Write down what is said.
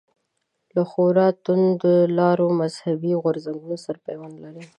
له خورا توندلارو مذهبي غورځنګونو سره پیوند لري.